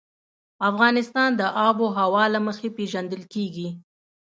افغانستان د آب وهوا له مخې پېژندل کېږي.